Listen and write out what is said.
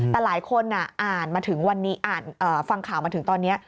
แต่หลายคนอ่านมาถึงวันนี้อ่านฟังข่าวมาถึงตอนนี้